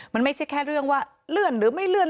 มันไม่ใช่แค่เรื่องว่าเลื่อนหรือไม่เลื่อน